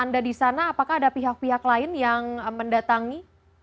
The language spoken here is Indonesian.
anda di sana apakah ada pihak pihak lain yang mendatangi